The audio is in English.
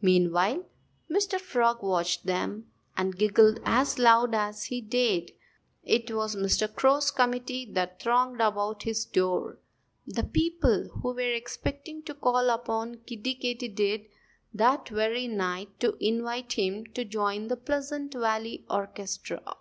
Meanwhile Mr. Frog watched them and giggled as loud as he dared. It was Mr. Crow's committee that thronged about his door the people who were expecting to call upon Kiddie Katydid that very night to invite him to join the Pleasant Valley orchestra.